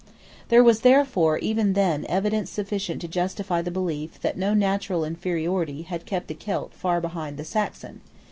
There was therefore even then evidence sufficient to justify the belief that no natural inferiority had kept the Celt far behind the Saxon.